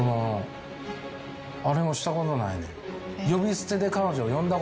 あれもしたことないねん。